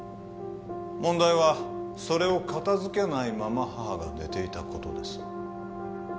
問題はそれを片付けないまま母が寝ていたことです